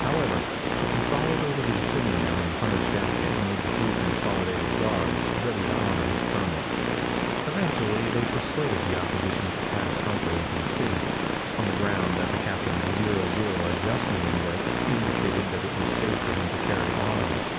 However, the Consolidated insignia on Hunter's jacket made the three Consolidated guards ready to honor his permit. Eventually they persuaded the opposition to pass Hunter into the city, on the ground that the captain's zero zero adjustment index indicated that it was safe for him to carry arms.